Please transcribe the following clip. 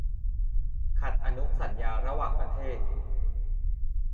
ขัดอนุสัญญาระหว่างประเทศ